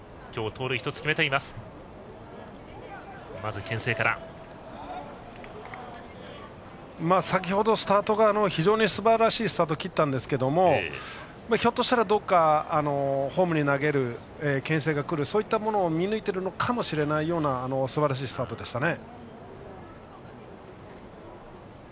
高部は先ほど非常にすばらしいスタートを切ったんですがひょっとしたら、どこかホームに投げるけん制が来るそういったものを見抜いているのかもしれないようなすばらしいスタートでしたね。